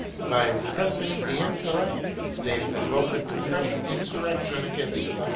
By oppressing the intellect they provoke it to fresh insurrection against the heart.